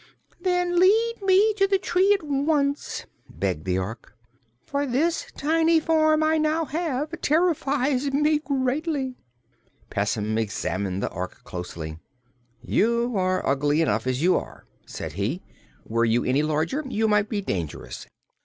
"Then lead me to the tree at once!" begged the Ork, "for this tiny form I now have terrifies me greatly." Pessim examined the Ork closely "You are ugly enough as you are," said he. "Were you any larger you might be dangerous."